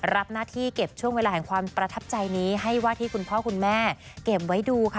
รับหน้าที่เก็บช่วงเวลาแห่งความประทับใจนี้ให้ว่าที่คุณพ่อคุณแม่เก็บไว้ดูค่ะ